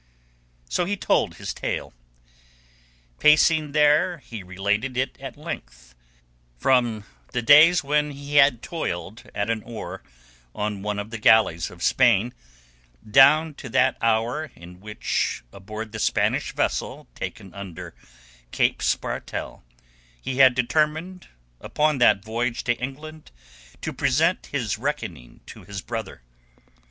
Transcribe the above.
So he told his tale. Pacing there he related it at length, from the days when he had toiled at an oar on one of the galleys of Spain down to that hour in which aboard the Spanish vessel taken under Cape Spartel he had determined upon that voyage to England to present his reckoning to his brother.